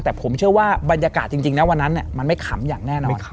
แต่ผมเชื่อว่าบรรยากาศจริงนะวันนั้นมันไม่ขำอย่างแน่นอน